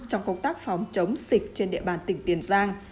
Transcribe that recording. trong công tác phòng chống dịch trên địa bàn tỉnh tiền giang